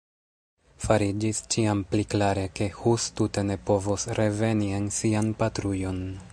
Fariĝis ĉiam pli klare, ke Hus tute ne povos reveni en sian patrujon.